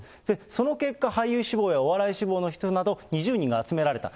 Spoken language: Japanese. その結果、俳優志望やお笑い志望の人など２０人が集められた。